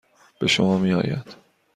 به شما میآید.